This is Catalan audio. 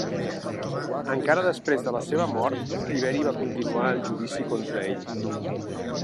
Encara després de la seva mort, Tiberi va continuar el judici contra ell.